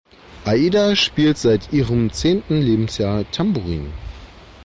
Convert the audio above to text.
Aida spielt seit ihrem zehnten Lebensjahr Tamburin.